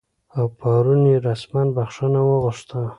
او پرون یې رسما بخښنه وغوښته